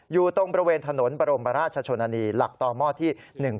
อยู่ตรงบริเวณถนนบรมราชชนนานีหลักต่อหม้อที่๑๒